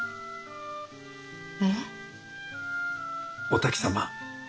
お滝様